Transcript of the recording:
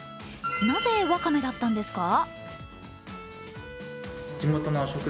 なぜ、わかめだったんですか？